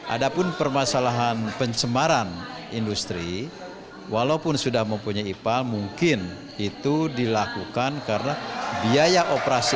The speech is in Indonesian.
ada pun permasalahan pencemaran industri walaupun sudah mempunyai ipal mungkin itu dilakukan karena biaya operasional